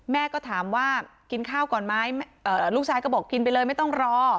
แม่ก็ถามว่ากินข้าวก่อนไหมลูกชายก็บอกกินไปเลยไม่ต้องรอ